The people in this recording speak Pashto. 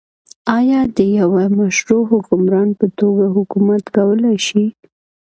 آیا دی د يوه مشروع حکمران په توګه حکومت کولای شي؟